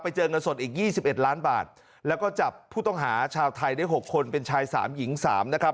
เจอเงินสดอีก๒๑ล้านบาทแล้วก็จับผู้ต้องหาชาวไทยได้๖คนเป็นชายสามหญิงสามนะครับ